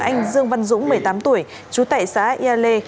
anh dương văn dũng một mươi tám tuổi chú tệ xã yale